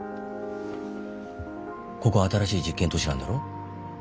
ここは新しい実験都市なんだろ？